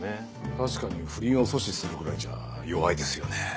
確かに不倫を阻止するぐらいじゃ弱いですよね。